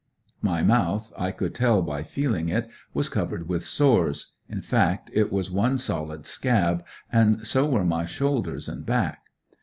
My mouth, I could tell by feeling it, was covered with sores, in fact it was one solid scab, and so were my shoulders and back.